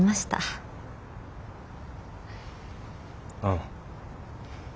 ああ。